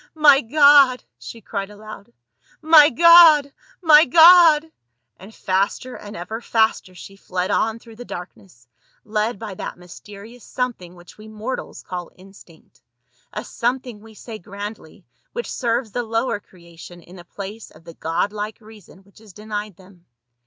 " My God !" she cried aloud, " My God— my God !" And faster and ever faster she fled on through the darkness, led by that mysterious something which we mortals call instinct ; a something, we say grandly, which serves the lower creation in the place of the God like reason which is denied them.